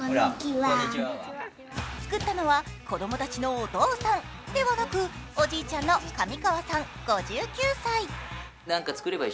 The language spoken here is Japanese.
作ったのは、子供たちのお父さんではなく、おじいちゃんの上川さん、５９歳。